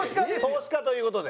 投資家という事で。